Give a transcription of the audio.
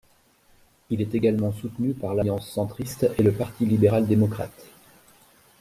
Il est également soutenu par l'Alliance centriste et le Parti libéral démocrate.